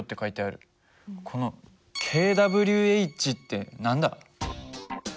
この「ｋＷｈ」って何だ？